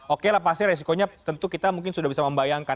oke lah pasti resikonya tentu kita mungkin sudah bisa membayangkan